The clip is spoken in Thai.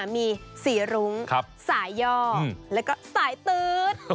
มีสีรุ้งสายย่อแล้วก็สายตื๊ด